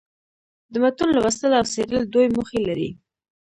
د متون لوستل او څېړل دوې موخي لري.